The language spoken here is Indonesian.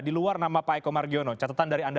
di luar nama pak eko margiono catatan dari anda